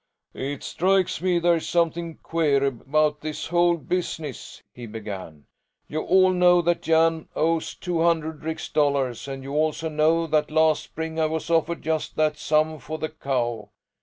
"It strikes me there's something queer about this whole business," he began. "You all know that Jan owes two hundred rix dollars and you also know that last spring I was offered just that sum for the cow.